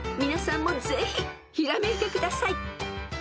［皆さんもぜひひらめいてください］